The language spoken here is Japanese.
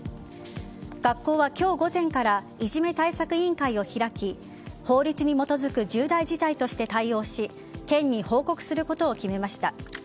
学校は今日午前からいじめ対策委員会を開き法律に基づく重大事態として対応し県に報告することを決めました。